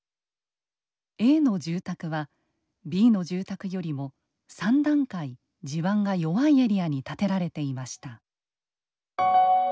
Ａの住宅はＢの住宅よりも３段階地盤が弱いエリアに建てられていました。